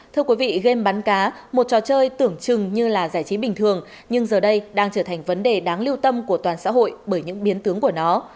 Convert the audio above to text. thưa quý vị game bắn cá một trò chơi tưởng chừng như là giải trí bình thường nhưng giờ đây đang trở thành vấn đề đáng lưu tâm của toàn xã hội bởi những biến tướng của nó